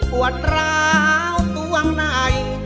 ปวดร้าวต่วงน้ำ